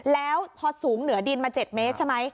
แล้วพอสูงเหนือดินมา๗เมตรใช่ไหม